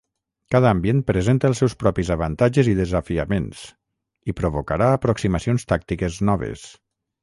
Cada ambient presenta els seus propis avantatges i desafiaments i provocarà aproximacions tàctiques noves.